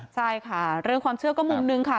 ใช่ค่ะเรื่องความเชื่อก็มุมนึงค่ะ